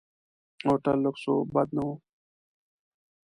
هوټل لکس و، بد نه و.